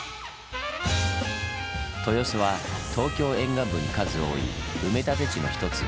豊洲は東京沿岸部に数多い埋め立て地の一つ。